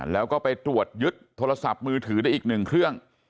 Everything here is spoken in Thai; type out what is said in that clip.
แล้วก็ไปตรวจยึดโทรศัพท์มือถือได้อีกหนึ่งเครื่อง